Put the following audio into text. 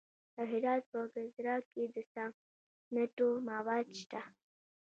د هرات په ګذره کې د سمنټو مواد شته.